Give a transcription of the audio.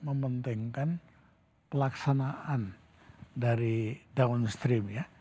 saya mempentingkan pelaksanaan dari downstream ya